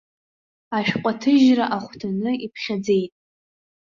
Ашәҟәы аҭыжьра ахәҭаны иԥхьаӡеит.